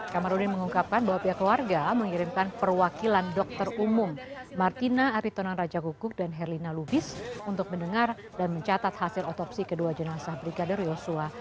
kamarudin mengungkapkan bahwa pihak keluarga mengirimkan perwakilan dokter umum martina aritonan raja guguk dan herlina lubis untuk mendengar dan mencatat hasil otopsi kedua jenazah brigadir yosua